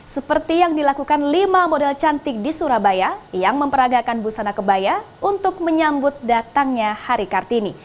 seperti yang dilakukan lima model cantik di surabaya yang memperagakan busana kebaya untuk menyambut datangnya hari kartini